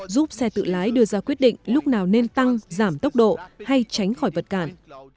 giúp xe tự lái đưa ra quyết định lúc nào nên tăng giảm tốc độ hay tránh khỏi vật cản